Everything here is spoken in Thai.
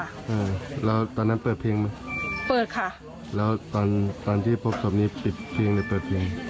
อ่าแล้วตอนนั้นเปิดเพลงไหมเปิดค่ะแล้วตอนตอนที่พบศพนี้ปิดเพลงหรือเปิดเพลง